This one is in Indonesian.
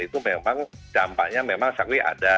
itu memang dampaknya memang sering ada